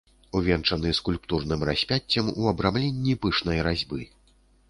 Увенчаны скульптурным распяццем у абрамленні пышнай разьбы.